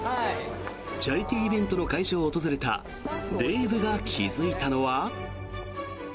チャリティーイベントの会場を訪れたデーブが気付いたのは。